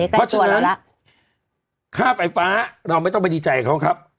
เพราะฉะนั้นค่าไฟฟ้าเราไม่ต้องไปดีใจเขาครับ